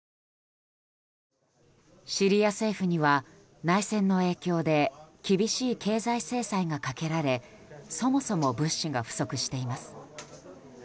シリア政府には内戦の影響で厳しい経済制裁がかけられそもそも物資が不足しています。